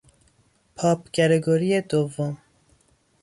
پاپ گرگوری دوم